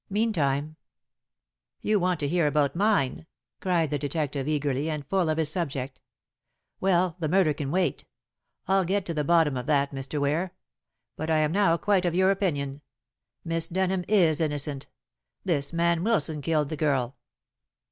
Meantime " "You want to hear about mine," cried the detective eagerly and full of his subject. "Well, the murder can wait. I'll get to the bottom of that, Mr. Ware. But I am now quite of your opinion. Miss Denham is innocent. This man Wilson killed the girl."